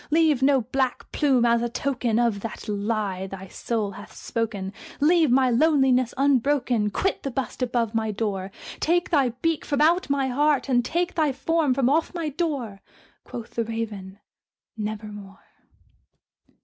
Leave no black plume as a token of that lie thy soul hath spoken! Leave my loneliness unbroken! quit the bust above my door! Take thy beak from out my heart, and take thy form from off my door!" Quoth the Raven, "Nevermore."